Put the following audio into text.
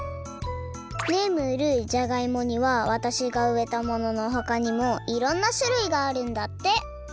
ねえムールじゃがいもにはわたしがうえたもののほかにもいろんなしゅるいがあるんだって！